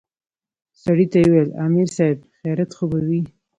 سړي ته يې وويل امر صايب خيريت خو به وي.